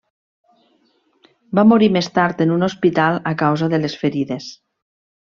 Va morir més tard en un hospital a causa de les ferides.